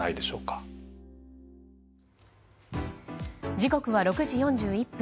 時刻は６時４１分。